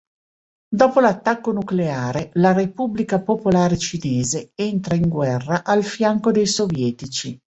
Dopo l'attacco nucleare, la Repubblica Popolare Cinese entra in guerra al fianco dei sovietici.